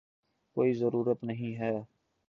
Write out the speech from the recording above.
کوئی ضرورت نہیں ہے